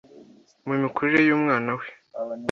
mu mikurire y’umwana we